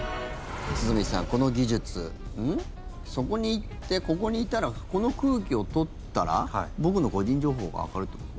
堤さん、この技術そこに行って、ここにいたらこの空気を取ったら僕の個人情報がわかるってこと？